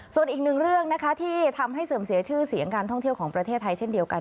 ส่วนอีกหนึ่งเรื่องนะคะที่ทำให้เสื่อมเสียชื่อเสียงการท่องเที่ยวของประเทศไทยเช่นเดียวกัน